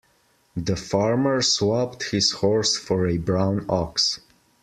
The farmer swapped his horse for a brown ox.